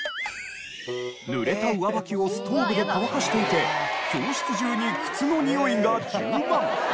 ぬれた上履きをストーブで乾かしていて教室中に靴のにおいが充満！なんて事も。